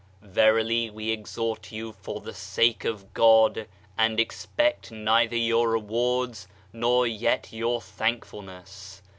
"Verily we exhort you for the sake of God, and expect neither your rewards nor yet your thank fulness."